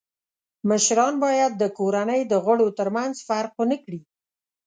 مشران باید د کورنۍ د غړو تر منځ فرق و نه کړي.